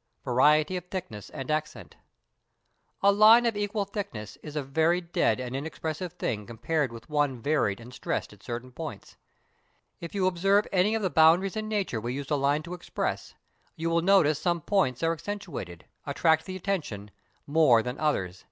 [Sidenote: Variety of Thickness and Accent.] A line of equal thickness is a very dead and inexpressive thing compared with one varied and stressed at certain points. If you observe any of the boundaries in nature we use a line to express, you will notice some points are accentuated, attract the attention, more than others.